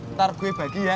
ntar gue bagi ya